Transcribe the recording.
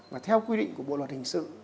và theo quy định của bộ luật hình sự